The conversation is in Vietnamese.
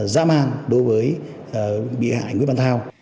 dã man đối với bị hại nguyễn văn thao